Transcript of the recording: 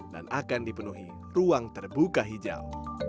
dan akan dipenuhi ruang terbuka hijau